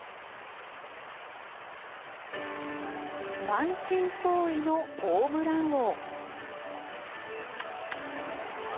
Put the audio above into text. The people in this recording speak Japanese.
満身創痍のホームラン王。